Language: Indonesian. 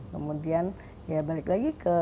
kemudian ya balik lagi ke